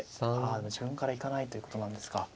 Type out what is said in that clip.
あ自分から行かないということなんですか。